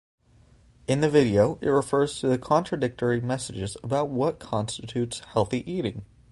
In the video, it refers to the contradictory messages about what constitutes healthy eating.